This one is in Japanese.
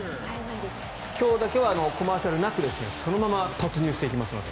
今日だけはコマーシャルなくそのまま突入していきますので。